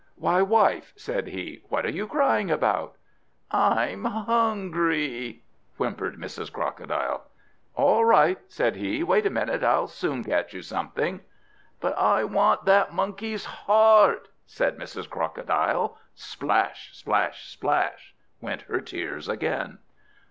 "Why, wife," said he, "what are you crying about?" "I'm hungry!" whimpered Mrs. Crocodile. "All right," said he, "wait a while. I'll soon catch you something." "But I want that Monkey's heart!" said Mrs. Crocodile. Splash, splash, splash, went her tears again.